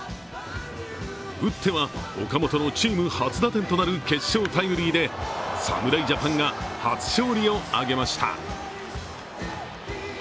打っては岡本のチーム初打点となる決勝タイムリーで侍ジャパンが初勝利を挙げました。